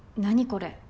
これ。